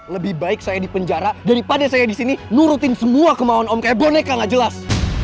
lebih baik saya di penjara daripada saya di sini nurutin semua kemauan om kayak boneka gak jelas